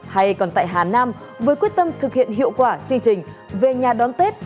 hôm qua chương trình về nhà đón tết